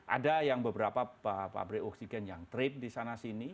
ada yang beberapa pabrik oksigen yang trip di sana sini